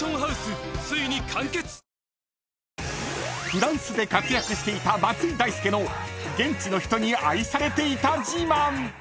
［フランスで活躍していた松井大輔の現地の人に愛されていた自慢］